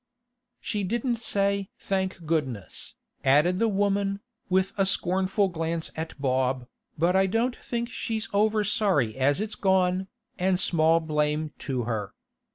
'She didn't say "thank goodness," added the woman, with a scornful glance at Bob, 'but I don't think she's over sorry as it's gone, an' small blame to her.